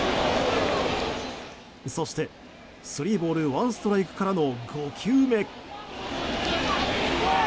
そして、スリーボールワンストライクからの５球目。